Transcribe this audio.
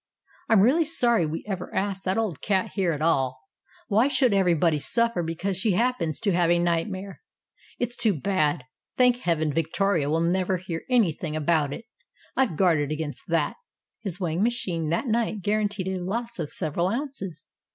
I'm really sorry we ever asked that old cat here at all ; why should every body suffer because she happens to have a nightmare ? It's too bad. Thank Heaven, Victoria will never hear anything about it. I've guarded against that." His weighing machine that night guaranteed a loss of several ounces.